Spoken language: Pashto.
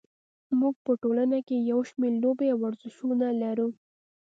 موږ په ټولنه کې یو شمېر لوبې او ورزشونه لرو.